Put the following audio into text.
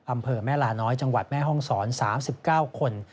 อำเภอแม่ลาน้อยจังหวัดแม่ห้องศร๓๙คน